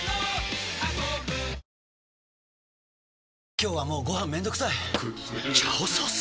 今日はもうご飯めんどくさい「炒ソース」！？